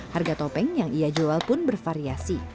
harga topeng yang ia jual pun bervariasi